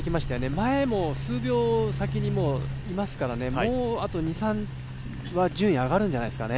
前も数秒先にもいますから、もうあと２３は順位上がるんじゃないですかね。